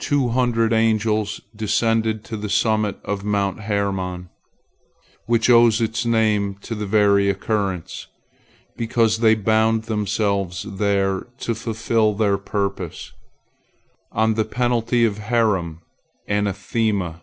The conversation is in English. Two hundred angels descended to the summit of Mount Hermon, which owes its name to this very occurrence, because they bound themselves there to fulfil their purpose, on the penalty of Herem, anathema.